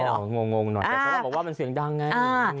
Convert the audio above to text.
เพราะเราบอกว่ามันเสียงดังไง